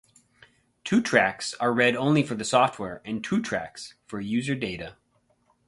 Two tracks are read only for the software, and two tracks for user data.